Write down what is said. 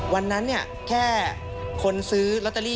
วันนั้นแค่คนซื้อลอตเตอรี่